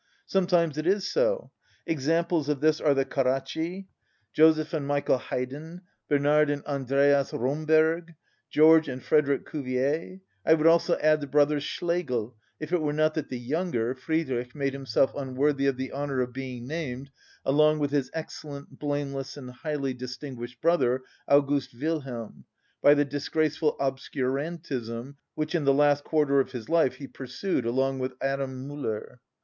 Sometimes it is so. Examples of this are the Carracci, Joseph and Michael Haydn, Bernard and Andreas Romberg, George and Frederic Cuvier. I would also add the brothers Schlegel, if it were not that the younger, Friedrich, made himself unworthy of the honour of being named along with his excellent, blameless, and highly distinguished brother, August Wilhelm, by the disgraceful obscurantism which in the last quarter of his life he pursued along with Adam Müller.